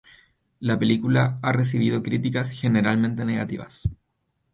La película ha recibido críticas generalmente negativas.